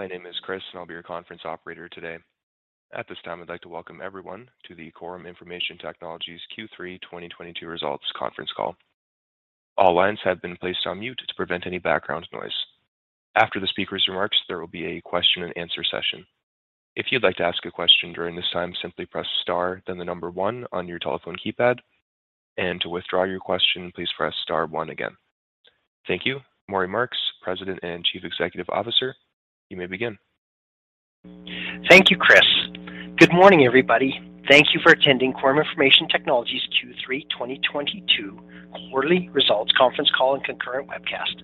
My name is Chris. I'll be your conference operator today. At this time, I'd like to welcome everyone to the Quorum Information Technologies Q3 2022 results conference call. All lines have been placed on mute to prevent any background noise. After the speaker's remarks, there will be a question-and-answer session. If you'd like to ask a question during this time, simply press star then the number one on your telephone keypad. To withdraw your question, please press star one again. Thank you. Maury Marks, President and Chief Executive Officer, you may begin. Thank you, Chris. Good morning, everybody. Thank you for attending Quorum Information Technologies Q3 2022 quarterly results conference call and concurrent webcast.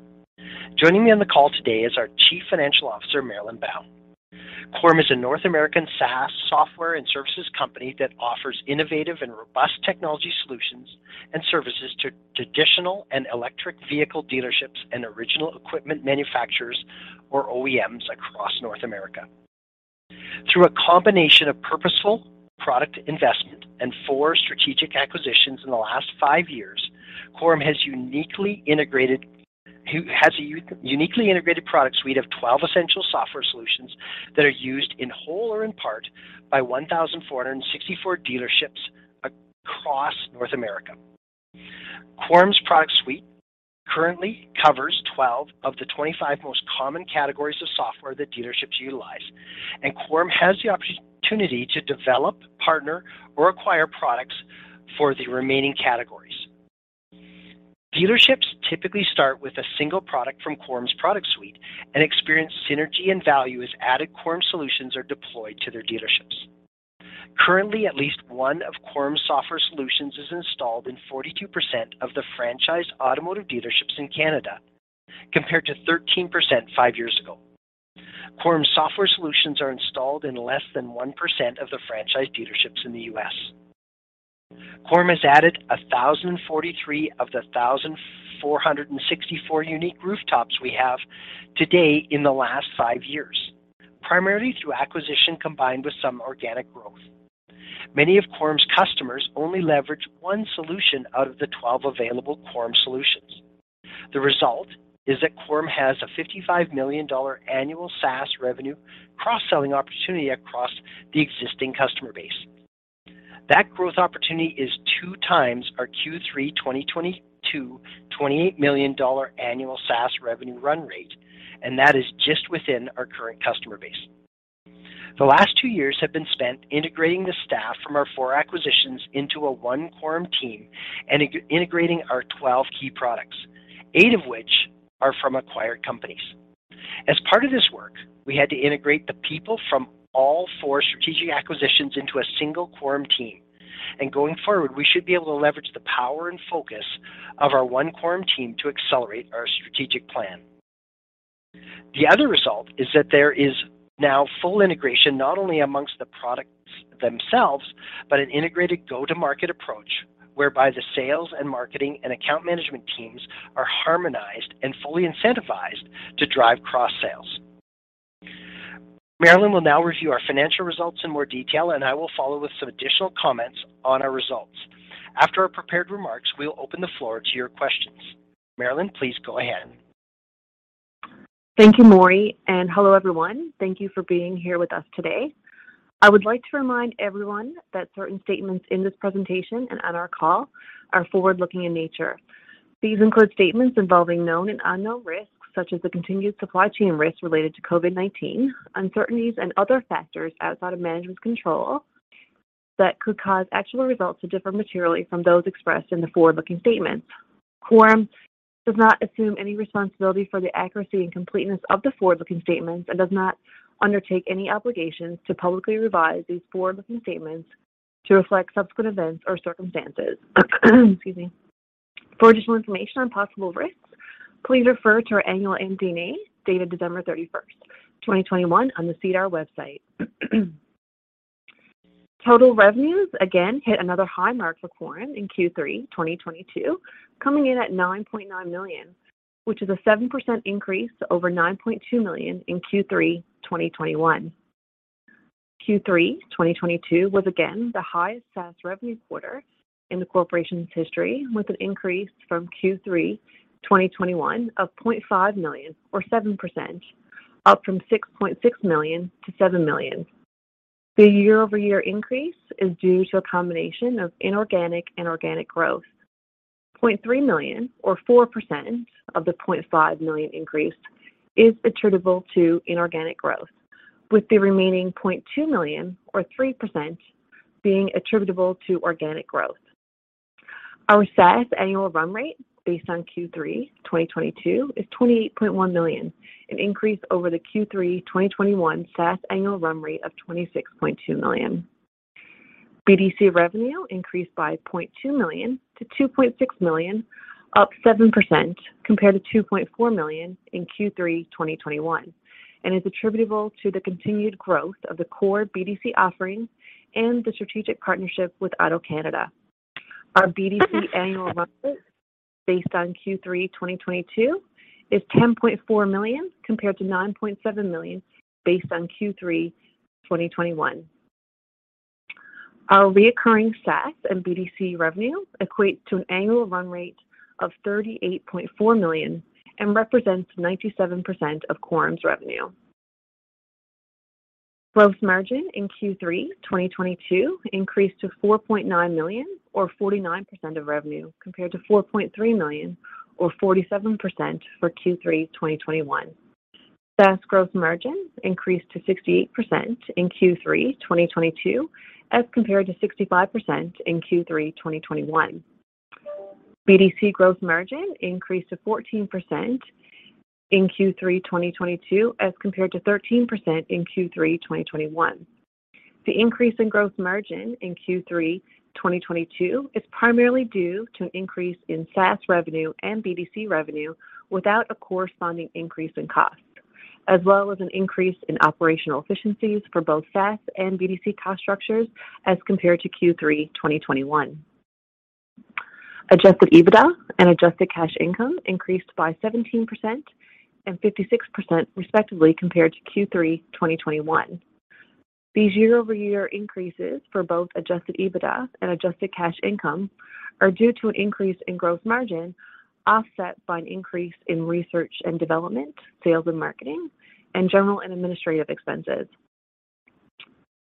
Joining me on the call today is our Chief Financial Officer, Marilyn Bown. Quorum is a North American SaaS software and services company that offers innovative and robust technology solutions and services to traditional and electric vehicle dealerships and original equipment manufacturers, or OEMs, across North America. Through a combination of purposeful product investment and four strategic acquisitions in the last five years, Quorum has a uniquely integrated product suite of 12 essential software solutions that are used in whole or in part by 1,464 dealerships across North America. Quorum's product suite currently covers 12 of the 25 most common categories of software that dealerships utilize, and Quorum has the opportunity to develop, partner, or acquire products for the remaining categories. Dealerships typically start with a single product from Quorum's product suite and experience synergy and value as added Quorum solutions are deployed to their dealerships. Currently, at least one of Quorum's software solutions is installed in 42% of the franchised automotive dealerships in Canada, compared to 13% five years ago. Quorum's software solutions are installed in less than 1% of the franchised dealerships in the US Quorum has added 1,043 of the 1,464 unique rooftops we have today in the last five years, primarily through acquisition combined with some organic growth. Many of Quorum's customers only leverage one solution out of the 12 available Quorum solutions. The result is that Quorum has a 55 million dollar annual SaaS revenue cross-selling opportunity across the existing customer base. That growth opportunity is 2x our Q3 2022 28 million annual SaaS revenue run rate, and that is just within our current customer base. The last two years have been spent integrating the staff from our four acquisitions into a one Quorum team and integrating our 12 key products, eight of which are from acquired companies. As part of this work, we had to integrate the people from all four strategic acquisitions into a single Quorum team, and going forward, we should be able to leverage the power and focus of our one Quorum team to accelerate our strategic plan. The other result is that there is now full integration not only amongst the products themselves, but an integrated go-to-market approach whereby the sales and marketing and account management teams are harmonized and fully incentivized to drive cross-sales. Marilyn will now review our financial results in more detail, and I will follow with some additional comments on our results. After our prepared remarks, we will open the floor to your questions. Marilyn, please go ahead. Thank you, Maury, and hello, everyone. Thank you for being here with us today. I would like to remind everyone that certain statements in this presentation and on our call are forward-looking in nature. These include statements involving known and unknown risks, such as the continued supply chain risks related to COVID-19, uncertainties and other factors outside of management's control that could cause actual results to differ materially from those expressed in the forward-looking statements. Quorum does not assume any responsibility for the accuracy and completeness of the forward-looking statements and does not undertake any obligations to publicly revise these forward-looking statements to reflect subsequent events or circumstances. Excuse me. For additional information on possible risks, please refer to our annual MD&A, dated December 31st, 2021 on the SEDAR website. Total revenues again hit another high mark for Quorum in Q3 2022, coming in at 9.9 million, which is a 7% increase to over 9.2 million in Q3 2021. Q3 2022 was again the highest SaaS revenue quarter in the corporation's history, with an increase from Q3 2021 of 0.5 million or 7%, up from 6.6 million to 7 million. The year-over-year increase is due to a combination of inorganic and organic growth. 0.3 million or 4% of the 0.5 million increase is attributable to inorganic growth, with the remaining 0.2 million or 3% being attributable to organic growth. Our SaaS annual run rate based on Q3 2022 is 28.1 million, an increase over the Q3 2021 SaaS annual run rate of 26.2 million. BDC revenue increased by 0.2 million to 2.6 million, up 7% compared to 2.4 million in Q3 2021, and is attributable to the continued growth of the core BDC offerings and the strategic partnership with AutoCanada. Our BDC annual run rate based on Q3 2022 is 10.4 million, compared to 9.7 million based on Q3 2021. Our recurring SaaS and BDC revenue equates to an annual run rate of 38.4 million and represents 97% of Quorum's revenue. Gross margin in Q3 2022 increased to 4.9 million or 49% of revenue compared to 4.3 million or 47% for Q3 2021. SaaS gross margin increased to 68% in Q3 2022 as compared to 65% in Q3 2021. BDC gross margin increased to 14% in Q3 2022 as compared to 13% in Q3 2021. The increase in growth margin in Q3 2022 is primarily due to an increase in SaaS revenue and BDC revenue without a corresponding increase in cost, as well as an increase in operational efficiencies for both SaaS and BDC cost structures as compared to Q3 2021. Adjusted EBITDA and Adjusted Cash ncome increased by 17% and 56% respectively, compared to Q3 2021. These year-over-year increases for both Adjusted EBITDA and Adjusted Cash Income are due to an increase in growth margin, offset by an increase in research and development, sales and marketing, and general and administrative expenses.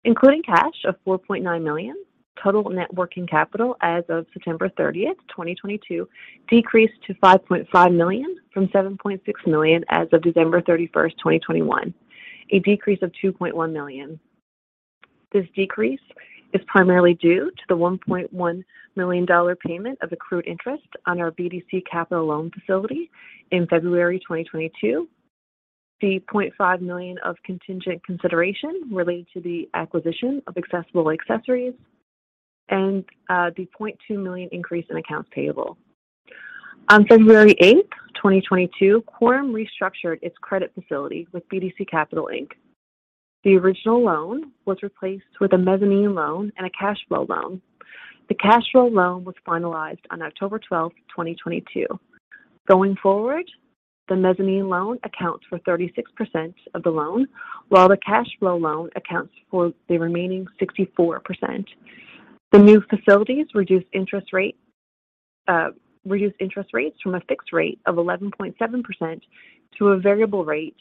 Including cash of 4.9 million, total net working capital as of September 30th, 2022 decreased to 5.5 million from 7.6 million as of December 31st, 2021, a decrease of 2.1 million. This decrease is primarily due to the 1.1 million dollar payment of accrued interest on our BDC Capital loan facility in February 2022. The 0.5 million of contingent consideration related to the acquisition of Accessible Accessories and the 0.2 million increase in accounts payable. On February 8th, 2022, Quorum restructured its credit facility with BDC Capital Inc. The original loan was replaced with a mezzanine loan and a cash flow loan. The cash flow loan was finalized on October 12th, 2022. Going forward, the mezzanine loan accounts for 36% of the loan, while the cash flow loan accounts for the remaining 64%. The new facilities reduce interest rate, reduce interest rates from a fixed rate of 11.7% to a variable rate,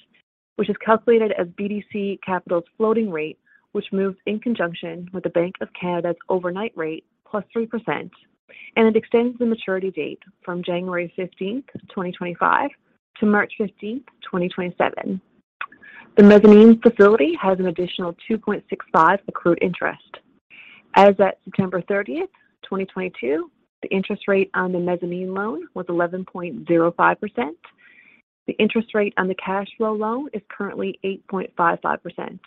which is calculated as BDC Capital's floating rate, which moves in conjunction with the Bank of Canada's overnight rate plus 3%, and it extends the maturity date from January 15, 2025 to March 15, 2027. The mezzanine facility has an additional 2.65 accrued interest. As at September 30, 2022, the interest rate on the mezzanine loan was 11.05%. The interest rate on the cash flow loan is currently 8.55%.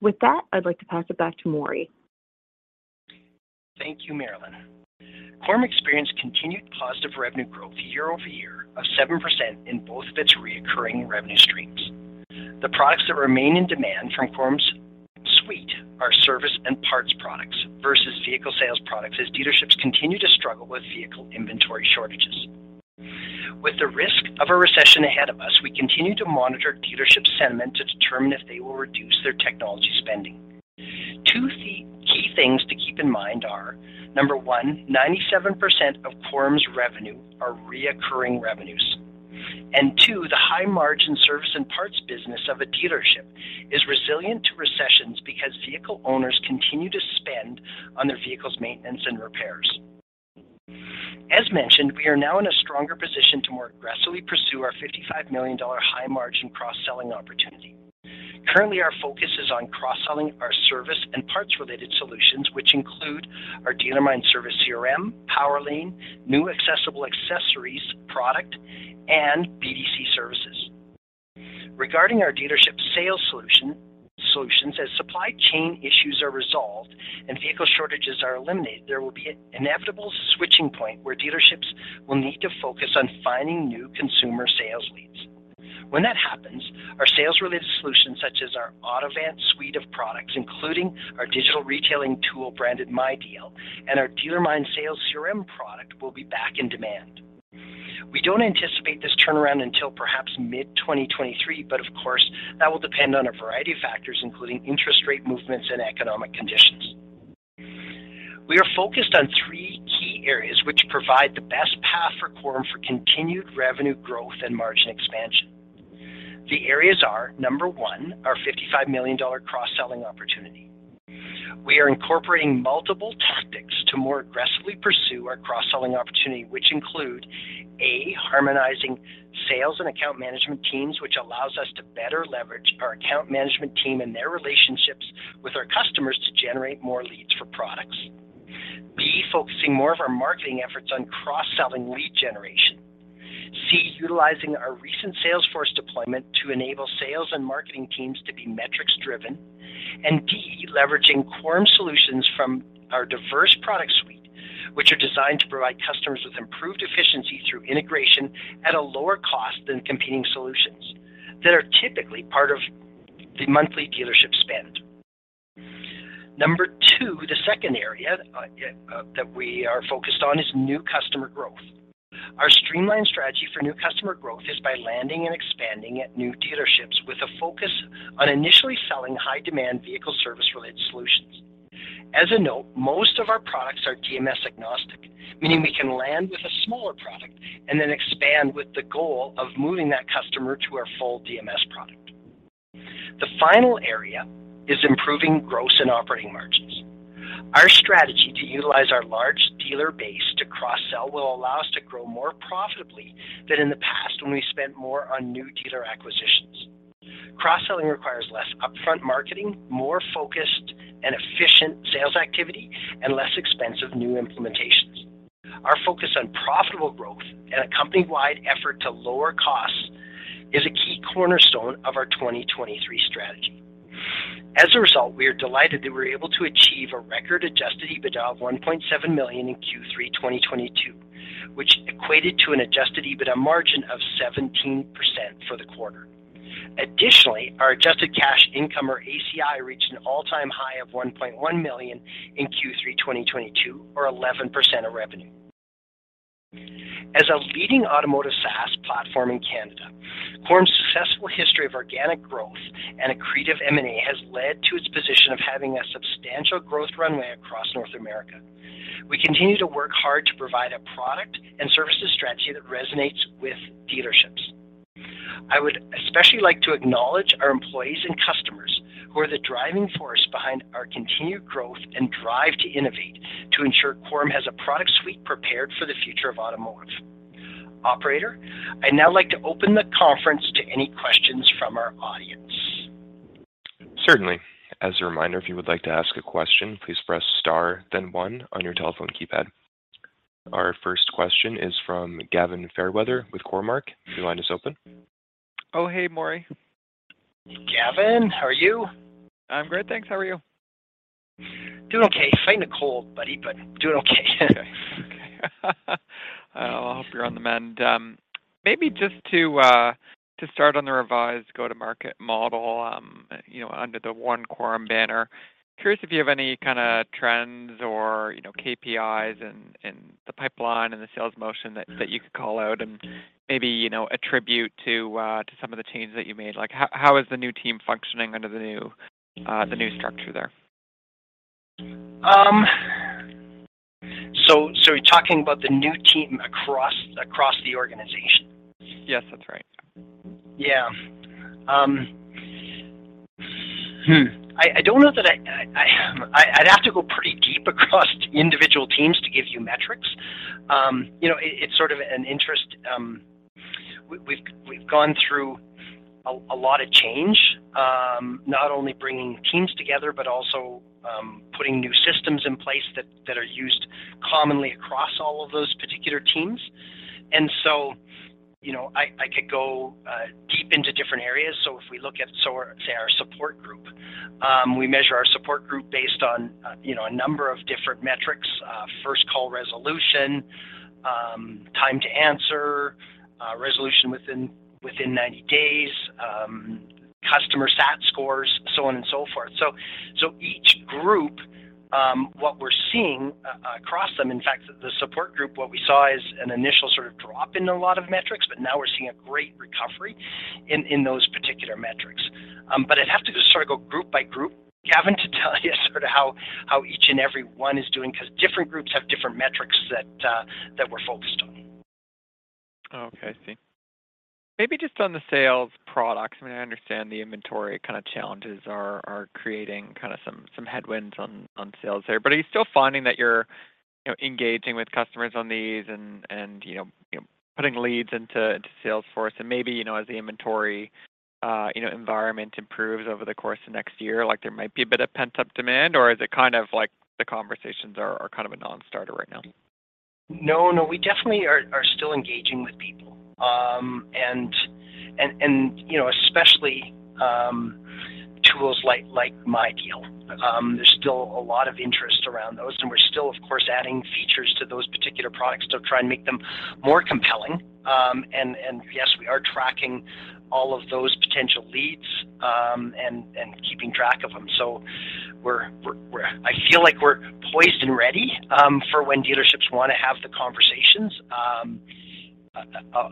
With that, I'd like to pass it back to Maury. Thank you, Marilyn. Quorum experienced continued positive revenue growth year-over-year of 7% in both of its reoccurring revenue streams. The products that remain in demand from Quorum's suite are service and parts products versus vehicle sales products as dealerships continue to struggle with vehicle inventory shortages. With the risk of a recession ahead of us, we continue to monitor dealership sentiment to determine if they will reduce their technology spending. Two key things to keep in mind are, number 1, 97% of Quorum's revenue are reoccurring revenues. Two, the high-margin service and parts business of a dealership is resilient to recessions because vehicle owners continue to spend on their vehicle's maintenance and repairs. As mentioned, we are now in a stronger position to more aggressively pursue our $55 million high-margin cross-selling opportunity. Currently, our focus is on cross-selling our service and parts-related solutions, which include our DealerMine service CRM, PowerLane, new Accessible Accessories product, and BDC services. Regarding our dealership sales solutions, as supply chain issues are resolved and vehicle shortages are eliminated, there will be an inevitable switching point where dealerships will need to focus on finding new consumer sales leads. When that happens, our sales-related solutions such as our Autovance suite of products, including our digital retailing tool branded MyDeal, and our DealerMine sales CRM product will be back in demand. We don't anticipate this turnaround until perhaps mid-2023. Of course, that will depend on a variety of factors, including interest rate movements and economic conditions. We are focused on three key areas which provide the best path for Quorum for continued revenue growth and margin expansion. The areas are, number one, our 55 million dollar cross-selling opportunity. We are incorporating multiple tactics to more aggressively pursue our cross-selling opportunity, which include, A, harmonizing sales and account management teams, which allows us to better leverage our account management team and their relationships with our customers to generate more leads for products. B, focusing more of our marketing efforts on cross-selling lead generation. C, utilizing our recent Salesforce deployment to enable sales and marketing teams to be metrics-driven. D, leveraging Quorum solutions from our diverse product suite, which are designed to provide customers with improved efficiency through integration at a lower cost than competing solutions that are typically part of the monthly dealership spend. Number two, the second area that we are focused on is new customer growth. Our streamlined strategy for new customer growth is by landing and expanding at new dealerships with a focus on initially selling high demand vehicle service related solutions. As a note, most of our products are DMS agnostic, meaning we can land with a smaller product and then expand with the goal of moving that customer to our full DMS product. The final area is improving gross and operating margins. Our strategy to utilize our large dealer base to cross-sell will allow us to grow more profitably than in the past when we spent more on new dealer acquisitions. Cross-selling requires less upfront marketing, more focused and efficient sales activity, and less expensive new implementations. Our focus on profitable growth and a company-wide effort to lower costs is a key cornerstone of our 2023 strategy. As a result, we are delighted that we were able to achieve a record Adjusted EBITDA of 1.7 million in Q3 2022, which equated to an Adjusted EBITDA margin of 17% for the quarter. Additionally, our Adjusted Cash Income or ACI reached an all-time high of 1.1 million in Q3 2022 or 11% of revenue. As a leading automotive SaaS platform in Canada, Quorum's successful history of organic growth and accretive M&A has led to its position of having a substantial growth runway across North America. We continue to work hard to provide a product and services strategy that resonates with dealerships. I would especially like to acknowledge our employees and customers who are the driving force behind our continued growth and drive to innovate to ensure Quorum has a product suite prepared for the future of automotive. Operator, I'd now like to open the conference to any questions from our audience. Certainly. As a reminder, if you would like to ask a question, please press star then one on your telephone keypad. Our first question is from Gavin Fairweather with Cormark. Your line is open. Oh, hey, Maury. Gavin, how are you? I'm great, thanks. How are you? Doing okay. Fighting a cold, buddy, but doing okay. Okay. I hope you're on the mend. Maybe just to start on the revised go-to-market model, you know, under the one Quorum banner. Curious if you have any kinda trends or, you know, KPIs in the pipeline and the sales motion that you could call out and maybe, you know, attribute to some of the changes that you made. Like, how is the new team functioning under the new, the new structure there? You're talking about the new team across the organization? Yes, that's right. Yeah. I don't know that I'd have to go pretty deep across individual teams to give you metrics. You know, it's sort of an interest. We've gone through a lot of change, not only bringing teams together, but also putting new systems in place that are used commonly across all of those particular teams. You know, I could go deep into different areas. If we look at our support group, we measure our support group based on, you know, a number of different metrics, first call resolution, time to answer, resolution within 90 days, customer sat scores, so on and so forth. Each group, what we're seeing across them, in fact, the support group, what we saw is an initial sort of drop in a lot of metrics, but now we're seeing a great recovery in those particular metrics. I'd have to just sort of go group by group, Gavin, to tell you sort of how each and every one is doing because different groups have different metrics that we're focused on. Okay. I see. Maybe just on the sales products. I mean, I understand the inventory kinda challenges are creating kinda some headwinds on sales there. Are you still finding that you're, you know, engaging with customers on these and, you know, putting leads into Salesforce and maybe, you know, as the inventory, you know, environment improves over the course of next year, like there might be a bit of pent-up demand, or is it kind of like the conversations are kind of a non-starter right now? No, we definitely are still engaging with people. You know, especially, tools like MyDeal. There's still a lot of interest around those, and we're still, of course, adding features to those particular products to try and make them more compelling. Yes, we are tracking all of those potential leads, and keeping track of them. We're, I feel like we're poised and ready, for when dealerships wanna have the conversations,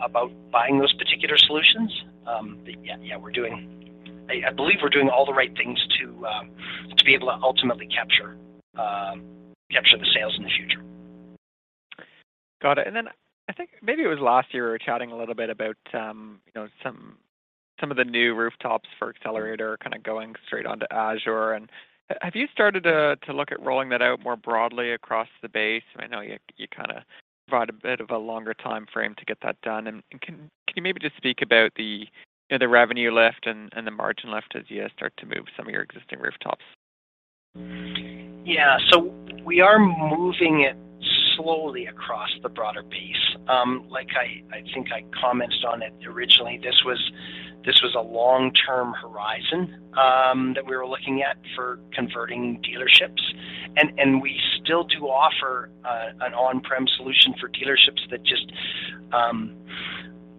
about buying those particular solutions. Yeah, we're doing, I believe we're doing all the right things to be able to ultimately capture the sales in the future. Got it. Then I think maybe it was last year we were chatting a little bit about, you know, some of the new rooftops for Accelerator kinda going straight onto Azure. Have you started to look at rolling that out more broadly across the base? I know you kinda provide a bit of a longer timeframe to get that done. Can you maybe just speak about the, you know, the revenue lift and the margin lift as you start to move some of your existing rooftops? We are moving it slowly across the broader base. Like I think I commented on it originally, this was a long-term horizon that we were looking at for converting dealerships. We still do offer an on-prem solution for dealerships that just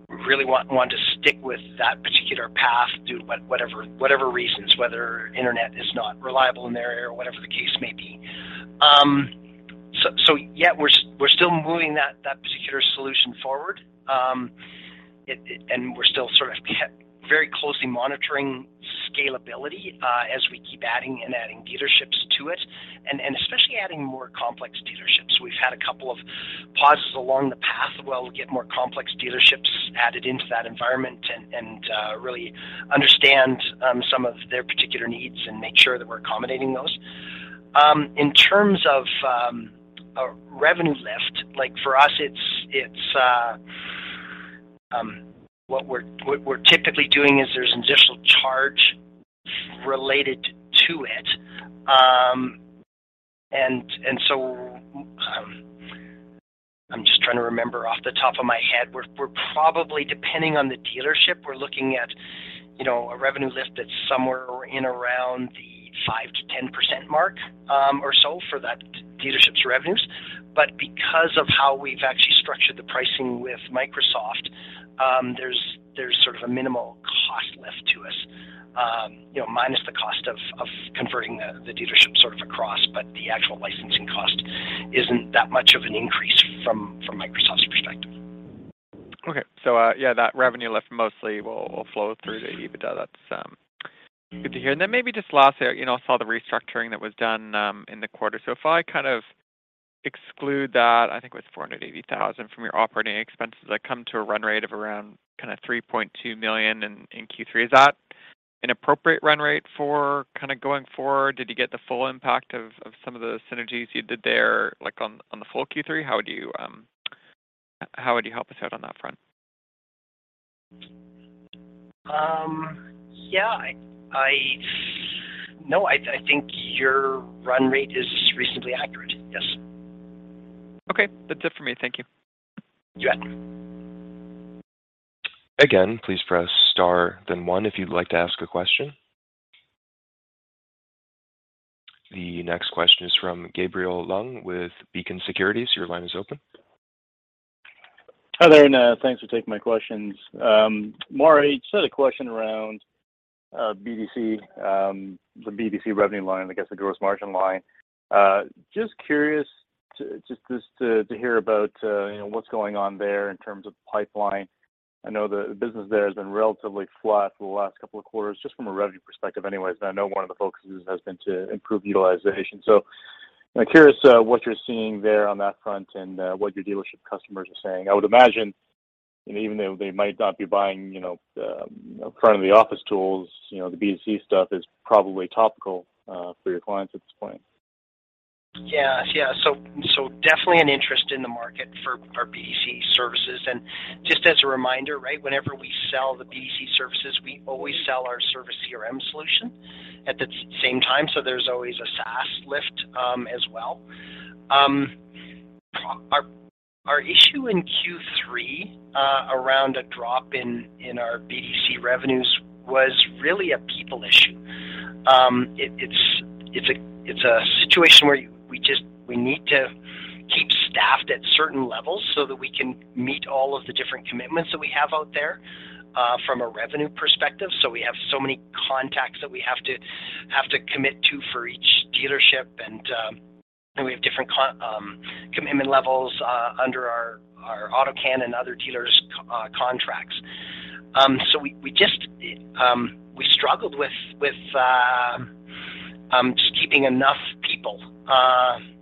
really want to stick with that particular path due to whatever reasons, whether internet is not reliable in their area or whatever the case may be. Yeah, we're still moving that particular solution forward. We're still sort of, yep, very closely monitoring scalability as we keep adding dealerships to it, and especially adding more complex dealerships. We've had a couple of pauses along the path while we get more complex dealerships added into that environment and really understand some of their particular needs and make sure that we're accommodating those. In terms of a revenue lift, like for us, it's what we're typically doing is there's an additional charge related to it. I'm just trying to remember off the top of my head. We're probably, depending on the dealership, we're looking at, you know, a revenue lift that's somewhere in around the 5%-10% mark or so for that dealership's revenues. Because of how we've actually structured the pricing with Microsoft, there's sort of a minimal cost lift to us. You know, minus the cost of converting the dealership sort of across. The actual licensing cost isn't that much of an increase from Microsoft's perspective. Okay. Yeah, that revenue lift mostly will flow through to EBITDA. That's good to hear. Maybe just lastly, you know, I saw the restructuring that was done in the quarter. If I kind of exclude that, I think it was 480,000 from your operating expenses, I come to a run rate of around kinda 3.2 million in Q3. Is that an appropriate run rate for kinda going forward? Did you get the full impact of some of the synergies you did there, like on the full Q3? How would you help us out on that front? Yeah, I. No, I think your run rate is reasonably accurate. Yes. Okay. That's it for me. Thank you. You bet. Again, please press star then one if you'd like to ask a question. The next question is from Gabriel Leung with Beacon Securities. Your line is open. Hi there, thanks for taking my questions. Maury, just had a question around BDC, the BDC revenue line and I guess the gross margin line. Just curious to hear about, you know, what's going on there in terms of pipeline. I know the business there has been relatively flat for the last couple of quarters, just from a revenue perspective anyways. I know one of the focuses has been to improve utilization. I'm curious what you're seeing there on that front and what your dealership customers are saying. I would imagine, you know, even though they might not be buying, you know, currently the office tools, you know, the BDC stuff is probably topical for your clients at this point. Yeah. Yeah. Definitely an interest in the market for our BDC services. Just as a reminder, right, whenever we sell the BDC services, we always sell our service CRM solution at the same time, so there's always a SaaS lift as well. Our issue in Q3 around a drop in our BDC revenues was really a people issue. It's a situation where we just, we need to keep staffed at certain levels so that we can meet all of the different commitments that we have out there from a revenue perspective. We have so many contacts that we have to commit to for each dealership, and we have different commitment levels under our AutoCan and other dealers' contracts. We just, we struggled with just keeping enough people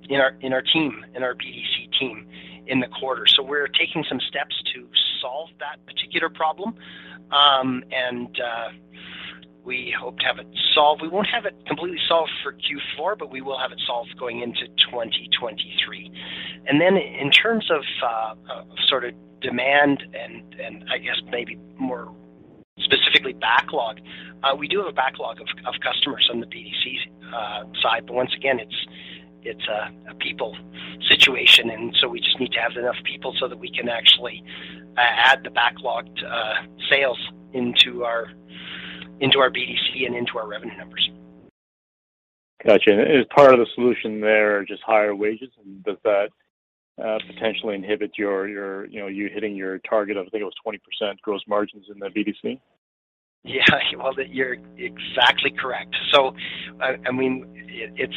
in our team, in our BDC team in the quarter. We're taking some steps to solve that particular problem. We hope to have it solved. We won't have it completely solved for Q4, but we will have it solved going into 2023. In terms of sort of demand and I guess maybe more specifically backlog, we do have a backlog of customers on the BDC side, but once again, it's a people situation, and so we just need to have enough people so that we can actually add the backlogged sales into our BDC and into our revenue numbers. Gotcha. Is part of the solution there just higher wages, and does that potentially inhibit your, you know, you hitting your target of, I think it was 20% gross margins in the BDC? Well, you're exactly correct. I mean, it's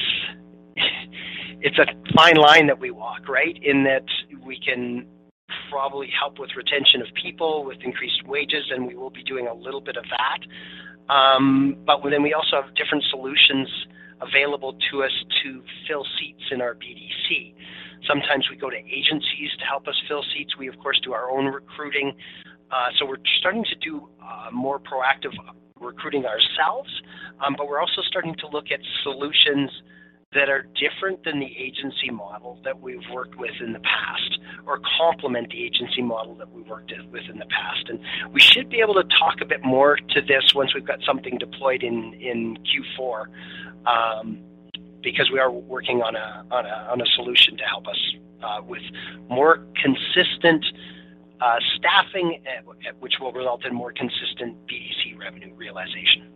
a fine line that we walk, right? In that we can probably help with retention of people with increased wages, and we will be doing a little bit of that. We also have different solutions available to us to fill seats in our BDC. Sometimes we go to agencies to help us fill seats. We, of course, do our own recruiting. We're starting to do more proactive recruiting ourselves, we're also starting to look at solutions that are different than the agency model that we've worked with in the past or complement the agency model that we worked with in the past. We should be able to talk a bit more to this once we've got something deployed in Q4, because we are working on a solution to help us with more consistent staffing at, which will result in more consistent BDC revenue realization.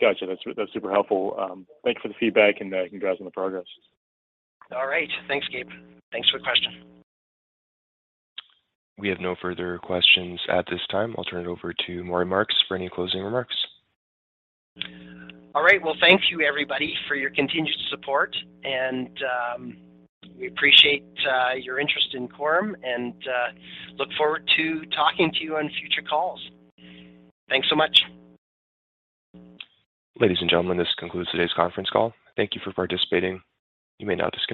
Gotcha. That's super helpful. Thank you for the feedback, and congrats on the progress. All right. Thanks, Gabe. Thanks for the question. We have no further questions at this time. I'll turn it over to Maury Marks for any closing remarks. All right. Well, thank you everybody for your continued support, and we appreciate your interest in Quorum and look forward to talking to you on future calls. Thanks so much. Ladies and gentlemen, this concludes today's conference call. Thank you for participating. You may now disconnect.